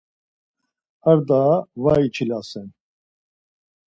Ar daha var içilasen.